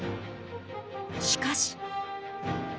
しかし。